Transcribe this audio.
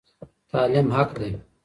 تعلیم حق دی.